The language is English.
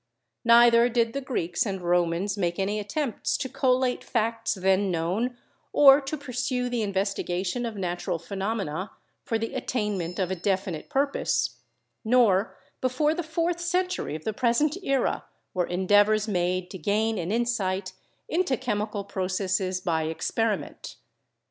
Neither did the Greeks and Romans make any attempts to collate facts then known or to pursue the investigation of natural phenomena for the attainment of a definite purpose, nor before the fourth century of the present era were endeavors made to gain an insight into chemical processes by experiment.